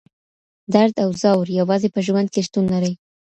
درد او ځور یوازې په ژوند کي شتون لري.